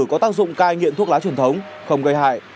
có tác dụng cai nghiện thuốc lá truyền thống không gây hại